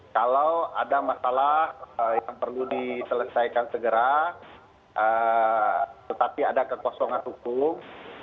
kalau ada masalah yang perlu diselesaikan segera tetapi ada kekosongan hukum